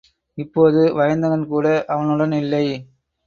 இப்போது வயந்தகன்கூட அவனுடன் இல்லை.